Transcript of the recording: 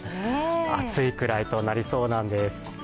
暑いくらいとなりそうなんです。